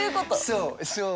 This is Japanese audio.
そうそう。